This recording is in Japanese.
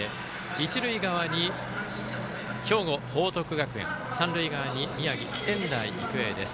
一塁側に兵庫・報徳学園三塁側に宮城・仙台育英です。